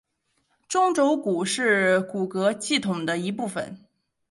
中轴骨是骨骼系统的一部分。